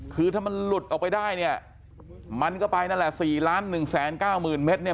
คือถ้ามันหลุดออกไปได้เนี่ยมันก็ไปนั่นแหละ๔๑๙๐๐เมตรเนี่ย